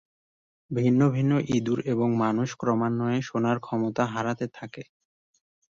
ভিন্ন ভিন্ন ইঁদুর এবং মানুষ ক্রমান্বয়ে শোনার ক্ষমতা হারাতে থাকে।